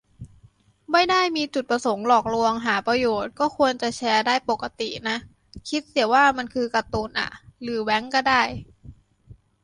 ไม่ได้มีจุดประสงค์หลอกลวงหาประโยชน์ ก็ควรจะแชร์ได้ปกตินะ คิดเสียว่ามันคือการ์ตูนอะ หรือแบงค์ก็ได้